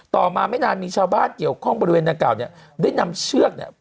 ต่อมาไม่นานมีชาวบ้านเกี่ยวข้องบริเวณนางกล่าวเนี่ยได้นำเชือกเนี่ย